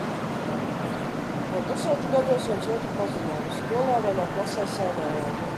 Jau pusaudžu gados viens otru pazinām, skolā vienā klasē sēdējām.